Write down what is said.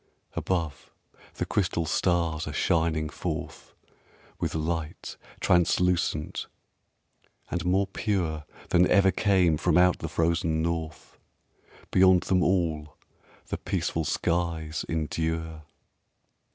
Above, the crystal stars are shining forth With light translucent and more pure Than ever came from out the frozen North; Beyond them all, the peaceful skies endure.